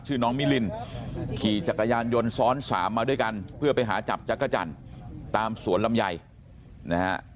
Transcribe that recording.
น้องมิลินขี่จักรยานยนต์ซ้อนสามมาด้วยกันเพื่อไปหาจับจักรจันทร์ตามสวนลำไยนะฮะ